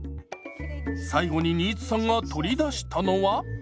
最後に新津さんが取り出したのは。